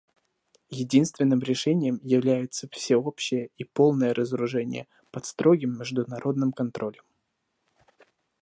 Единственным решением является всеобщее и полное разоружение под строгим международным контролем.